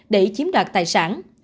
để chiếm đoạt tài sản